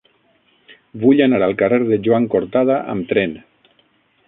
Vull anar al carrer de Joan Cortada amb tren.